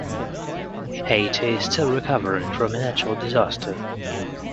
Haiti is still recovering from a natural disaster.